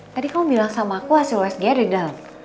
tadi kamu bilang sama aku hasil west dia ada di dalam